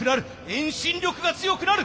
遠心力が強くなる！